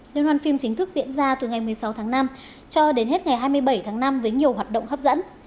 liên hoàn phim chính thức diễn ra từ ngày một mươi sáu tháng năm cho đến hết ngày hai mươi bảy tháng năm với nhiều hoạt động hấp dẫn